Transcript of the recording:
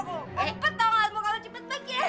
gue empat tahun lagi mau kamu cepet pergi